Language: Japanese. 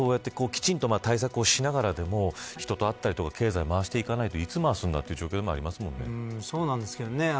今、そうやってきちんと対策をしながら人と会ったり経済を回していかないといつ回すんだという状況ですよね。